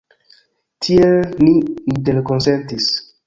Tiel ni interkonsentis.